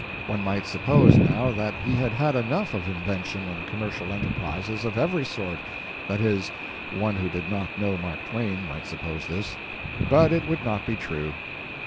One might suppose now that he had had enough of invention and commercial enterprises of every sort that is, one who did not know Mark Twain might suppose this but it would not be true.